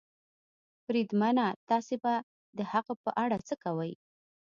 بریدمنه، تاسې به د هغه په اړه څه کوئ؟